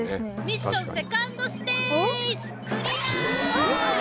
ミッションセカンドステージわ！